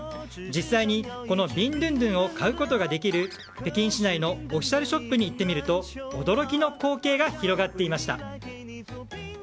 実際にこのビンドゥンドゥンを買うことができる北京市内のオフィシャルショップに行ってみると驚きの光景が広がっていました。